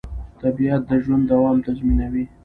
طبیعت د ژوند دوام تضمینوي